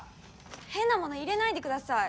変なもの入れないでください！